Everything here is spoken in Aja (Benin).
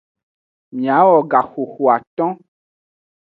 Miawo gaxoxoaton.